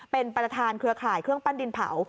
เป็นประธานเครือข่ายเครื่องปั้นดินเผา